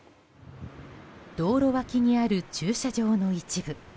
道路脇にある駐車場の一部。